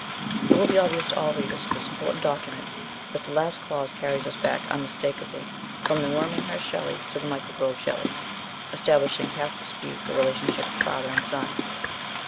It will be obvious to all readers of this important document that the last clause carries us back unmis takably from the Worminghurst Shelleys to the Michel Grove Shelleys, establishing past dispute the relation ship of father and son.